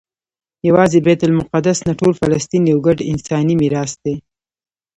یوازې بیت المقدس نه ټول فلسطین یو ګډ انساني میراث دی.